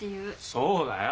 そうだよ。